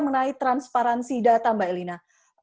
menai transparansi data mbak elvira